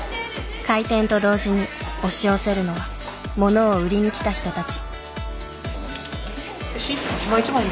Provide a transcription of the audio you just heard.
開店と同時に押し寄せるのは物を売りに来た人たち。